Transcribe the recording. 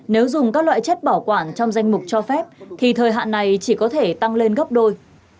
nếu dùng các loại chất bảo quản trong danh mục cho phép thì thời hạn này chỉ có thể tăng lên gấp đôi